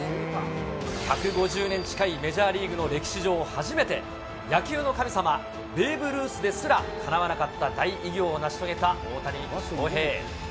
１５０年近いメジャーリーグの歴史上初めて、野球の神様、ベーブ・ルースですらかなわなかった大偉業を成し遂げた大谷翔平。